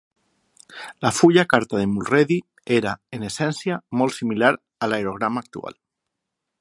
La fulla carta de Mulready era, en essència, molt similar a l'aerograma actual.